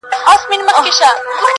پلار ویله څارنوال ته نه پوهېږي،